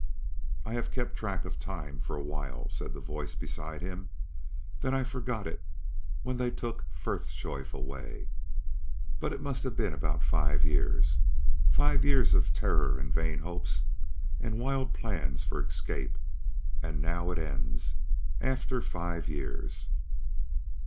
"I kept track of time for a while," said the voice beside him; "then I forgot it when they took Frithjof away. But it must be about five years. Five years of terror and vain hopes and wild plans for escape! And now it ends after five years!"